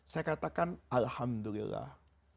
saya katakan alhamdulillah